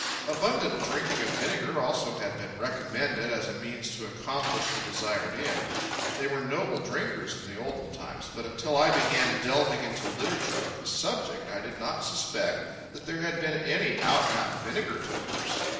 Abundant drinking of vinegar also had been recommended as a means to accomplish the desired end. They were noble drinkers in the olden times, but until I began delving into literature of the subject I did not suspect that there had been any out and out vinegar topers.